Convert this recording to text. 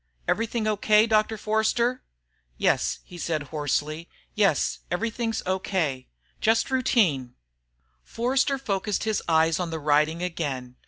"Everything okay, Doctor Forster?" "Yes," he said hoarsely. "Yes ... everything's okay ... just routine." Forster focussed his eyes on the writing again.